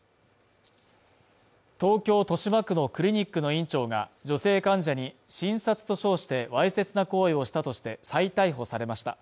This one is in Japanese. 東京・豊島区のクリニックの院長が、女性患者に診察と称してわいせつな行為をしたとして再逮捕されました